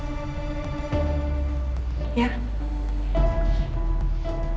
biar aku aja yang digangguin